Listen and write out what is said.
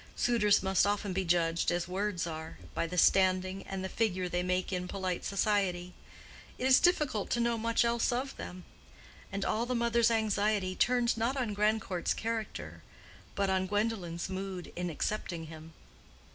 Suitors must often be judged as words are, by the standing and the figure they make in polite society: it is difficult to know much else of them. And all the mother's anxiety turned not on Grandcourt's character, but on Gwendolen's mood in accepting him.